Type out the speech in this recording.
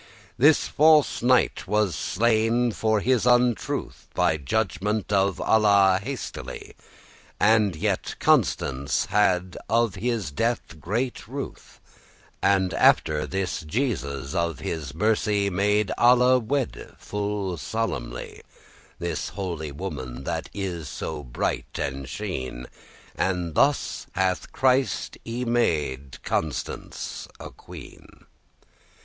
This false knight was slain for his untruth By judgement of Alla hastily; And yet Constance had of his death great ruth;* *compassion And after this Jesus of his mercy Made Alla wedde full solemnely This holy woman, that is so bright and sheen, And thus hath Christ y made Constance a queen.